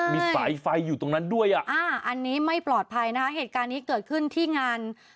มีสายไฟอยู่ตรงนั้นด้วยอ่ะอ่าอันนี้ไม่ปลอดภัยนะคะเหตุการณ์นี้เกิดขึ้นที่งาน